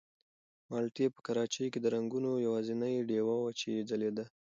مالټې په کراچۍ کې د رنګونو یوازینۍ ډېوه وه چې ځلېده.